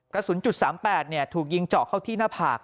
กระสุนจุด๓๘ถูกยิงเจาะเข้าที่หน้าผาก